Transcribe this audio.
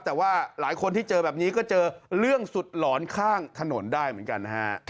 แต่ว่าหลายคนที่เจอแบบนี้ก็เจอเรื่องสุดหลอนข้างถนนได้เหมือนกันนะฮะ